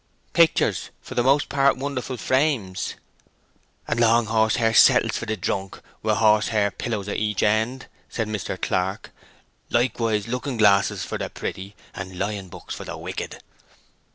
"Pictures, for the most part wonderful frames." "And long horse hair settles for the drunk, with horse hair pillows at each end," said Mr. Clark. "Likewise looking glasses for the pretty, and lying books for the wicked."